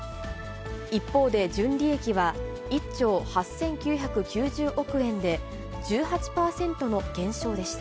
一方で、純利益は１兆８９９０億円で、１８％の減少でした。